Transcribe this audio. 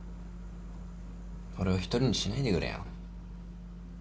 俺を一人にしないでくれよ。